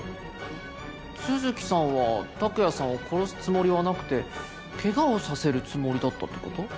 都築さんは拓也さんを殺すつもりはなくて怪我をさせるつもりだったって事？